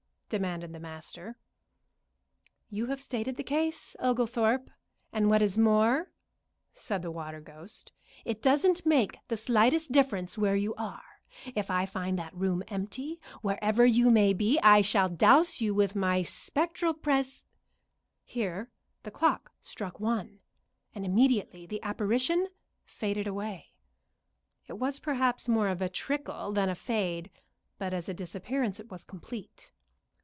demanded the master. "You have stated the case, Oglethorpe. And what is more," said the water ghost, "it doesn't make the slightest difference where you are, if I find that room empty, wherever you may be I shall douse you with my spectral pres " Here the clock struck one, and immediately the apparition faded away. It was perhaps more of a trickle than a fade, but as a disappearance it was complete.